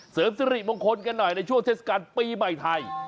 เสริมสิริมงคลกันหน่อยในช่วงเทศกาลปีใหม่ไทย